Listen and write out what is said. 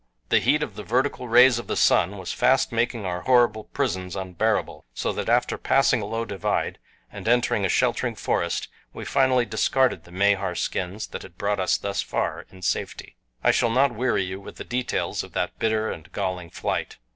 The heat of the vertical rays of the sun was fast making our horrible prisons unbearable, so that after passing a low divide, and entering a sheltering forest, we finally discarded the Mahar skins that had brought us thus far in safety. I shall not weary you with the details of that bitter and galling flight.